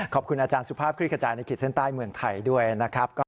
ขอบคุณอาจารย์สุภาพคลิกขจายในขีดเส้นใต้เมืองไทยด้วยนะครับ